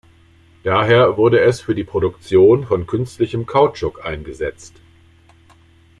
Daher wurde es für die Produktion von künstlichen Kautschuk eingesetzt.